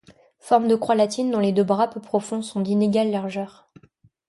Forme de croix latine, dont les deux bras, peu profonds, sont d'inégale largeur.